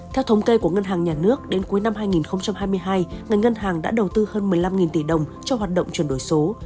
theo thống kê của ngân hàng nhà nước đến cuối năm hai nghìn hai mươi hai ngành ngân hàng đã đầu tư hơn một mươi năm tỷ đồng cho hoạt động chuyển đổi số